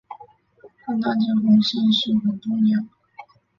判断这封信是否重要